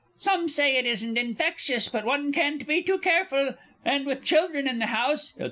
Some say it isn't infectious, but one can't be too careful, and, with children in the house, &c.